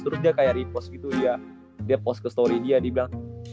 terus dia kayak repost gitu dia post ke story dia dia bilang